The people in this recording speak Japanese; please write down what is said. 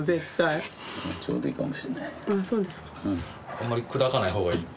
あんまり砕かないほうがいいって。